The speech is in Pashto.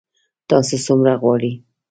تاسو څومره غواړئ؟